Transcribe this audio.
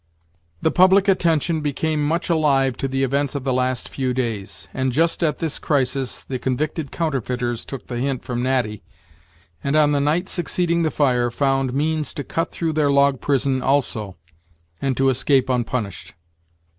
The public attention became much alive to the events of the last few days; and, just at this crisis, the convicted counterfeiters took the hint from Natty, and, on the night succeeding the fire, found means to cut through their log prison also, and to escape unpunished.